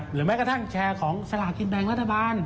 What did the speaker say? แม้กระทั่งแชร์ของสลากินแบ่งรัฐบาล